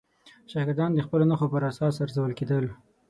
شاګردان د خپلو نښو پر اساس ارزول کېدل.